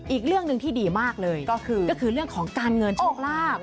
อีกเรื่องหนึ่งที่ดีมากเลยก็คือเรื่องของการเงินโชคลาภ